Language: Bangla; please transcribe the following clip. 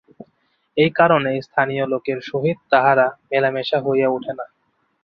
এই কারণে স্থানীয় লোকের সহিত তাঁহার মেলামেশা হইয়া উঠে না।